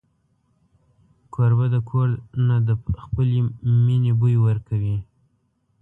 کوربه د کور نه د خپلې مینې بوی ورکوي.